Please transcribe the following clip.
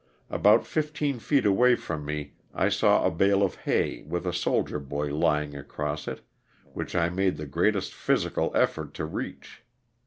About fifteen feet away from me I saw a bale of hay with a soldier boy lying across it, which I made the greatest physical effort to reach.